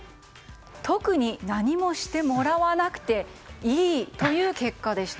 特に何もしてもらわなくていいという結果でした。